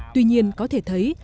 tuy nhiên có thể thấy